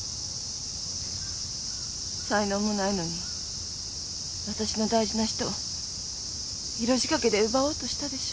才能もないのに私の大事な人を色仕掛けで奪おうとしたでしょ？